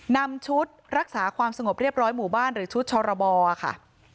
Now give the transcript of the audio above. นำชุดรักษาความสงบเรียบร้อยหมู่บ้านหรือชุดชรบค่ะ